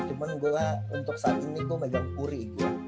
cuman gue untuk saat ini tuh megang kuri